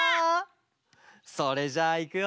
それじゃあいくよ！